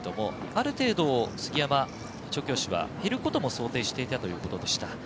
ある程度、杉山調教師は減ることも想定していたということでした。